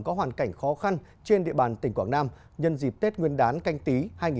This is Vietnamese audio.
có hoàn cảnh khó khăn trên địa bàn tỉnh quảng nam nhân dịp tết nguyên đán canh tí hai nghìn hai mươi